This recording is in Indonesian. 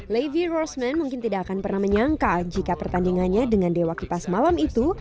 lady rosman mungkin tidak akan pernah menyangka jika pertandingannya dengan dewa kipas malam itu